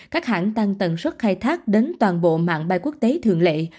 các hãng tăng tần suất khai thác đến toàn bộ mạng bay quốc tế thường lệ